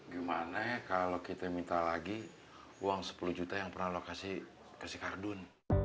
gimana ya kalo kita minta lagi uang sepuluh juta yang pernah lo kasih ke si kardun